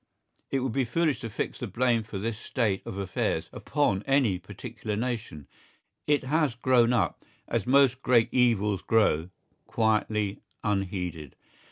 It would be foolish to fix the blame for this state of affairs upon any particular nation; it has grown up, as most great evils grow, quietly, unheeded.